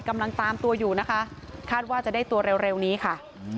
กำลังตามตัวอยู่นะคะคาดว่าจะได้ตัวเร็วนี้ค่ะ